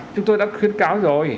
chúng tôi đã khuyến cáo rồi